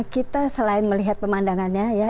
kita selain melihat pemandangannya ya